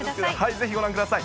ぜひご覧ください。